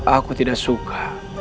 aku tidak suka